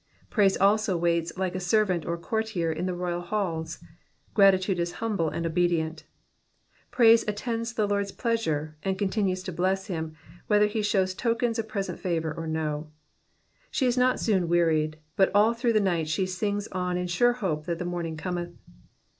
Praise also waits like » servant or courtier in the royal halls— gratitude is humble and obedient. Praise attends the Lord's pleasure, and continues to bless him, whether he shows tokens of present favour or no ; she is not soon wearied, but all through the night she sings on in sure ho^ that the morning cometh.